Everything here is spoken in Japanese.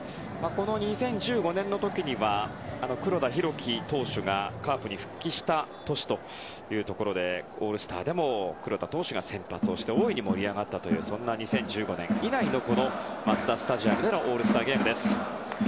この２０１５年の時には黒田博樹投手がカープに復帰した年ということでオールスターでも黒田投手が先発をして大いに盛り上がったというそんな２０１５年以来のこのマツダスタジアムでのオールスターゲームです。